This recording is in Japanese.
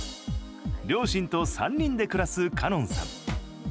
両親と３人で暮らす奏音さん。